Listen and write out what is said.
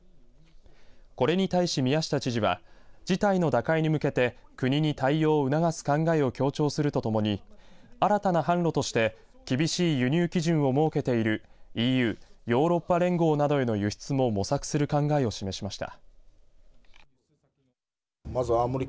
これに対し宮下知事は事態の打開に向けて国に対応を促す考えを強調するとともに新たな販路として厳しい輸入基準を設けているＥＵ、ヨーロッパ連合などへの輸出も模索する考えを示しました。